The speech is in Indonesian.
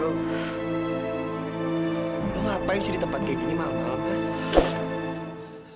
lu ngapain sih di tempat kayak gini malem malem kan